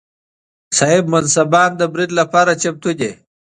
صاحب منصبان د برید لپاره چمتو دي.